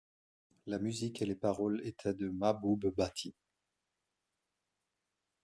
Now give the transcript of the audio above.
La musique et les paroles étaient de Mahboub Bati.